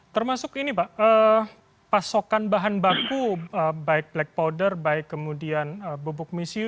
termasuk ini pak pasokan bahan baku baik black powder baik kemudian bubuk misi